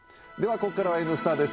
ここからは「Ｎスタ」です。